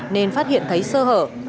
nên phát hiện thấy sơ hở